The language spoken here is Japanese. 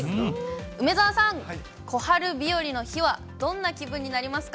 梅澤さん、小春日和の日はどんな気分になりますか。